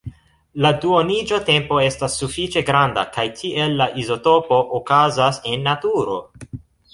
La duoniĝotempo estas sufiĉe granda kaj tiel la izotopo okazas en naturo.